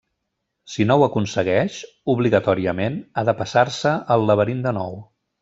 Si no ho aconsegueix, obligatòriament, ha de passar-se el laberint de nou.